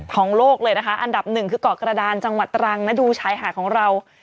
ของโลกเลยนะคะอันดับหนึ่งคือเกาะกระดานจังหวัดตรังนะดูชายหาดของเรา